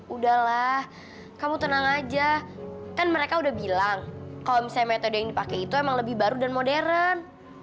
udahlah kamu tenang aja kan mereka udah bilang kalau misalnya metode yang dipakai itu emang lebih baru dan modern